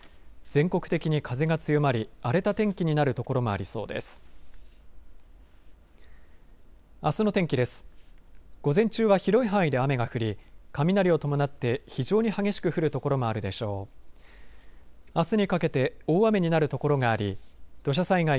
全国的に風が強まり荒れた天気になる所もありそうです。